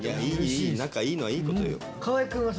仲いいのはいいことよ。